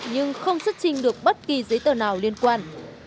nhưng không xuất trình được bất kỳ giấy tờ nào liên quan